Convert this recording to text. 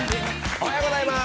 おはようございます。